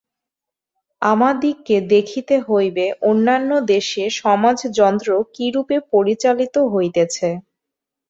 আমাদিগকে দেখিতে হইবে, অন্যান্য দেশে সমাজ-যন্ত্র কিরূপে পরিচালিত হইতেছে।